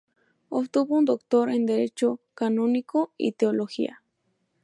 Obtuvo un Doctor en Derecho Canónico y Teología.